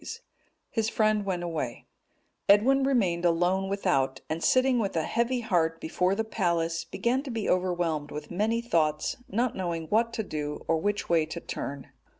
His friend went away; Edwin remained alone without, and sitting with a heavy heart before the palace, began to be overwhelmed with many thoughts, not knowing what to do, or which way to turn.